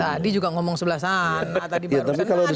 tadi juga ngomong sebelah sana tadi barusan